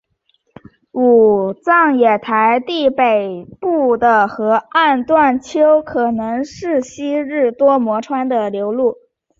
武藏野台地北部的河岸段丘可能是昔日多摩川的流路。